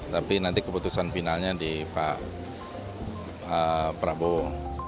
tapi nanti keputusan finalnya di pak prabowo